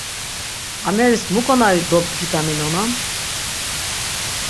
Ameris mu ǩonari dobdgitaminonan?